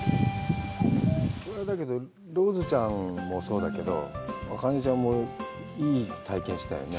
これはだけど、ローズちゃんもそうだけど、あかねちゃんも、いい体験をしたよね。